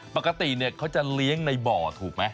ปกติเขาจะเลี้ยงในบ่อถูกไหม